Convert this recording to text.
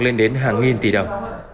lên đến hàng nghìn tỷ đồng